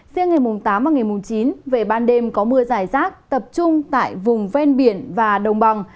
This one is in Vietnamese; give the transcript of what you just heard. riêng ngày tám và ngày chín về ban đêm có mưa dài rác tập trung tại vùng ven biển và đồng bằng